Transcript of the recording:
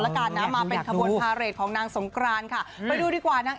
แล้วกันนะมาเป็นขบวนพาเรทของนางสงกรานค่ะไปดูดีกว่านาง